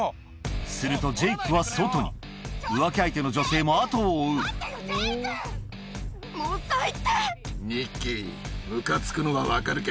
するとジェイクは外に浮気相手の女性も後を追うニッキー。